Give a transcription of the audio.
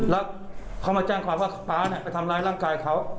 แล้วเขามาแจ้งความว่าป๊าไปทำร้ายร่างกายเขา